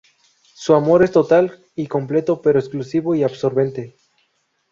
Su amor es total y completo, pero exclusivo y absorbente.